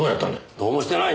どうもしてないよ。